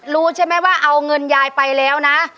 รู้ใช่ไหมว่าเอาเงินยายไปแล้วนะ